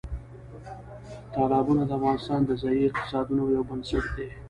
تالابونه د افغانستان د ځایي اقتصادونو یو بنسټ دی.